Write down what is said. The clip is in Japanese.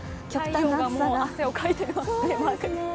太陽がもう汗をかいていますね。